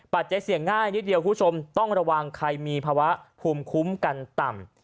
ใจเสี่ยงง่ายนิดเดียวคุณผู้ชมต้องระวังใครมีภาวะภูมิคุ้มกันต่ำ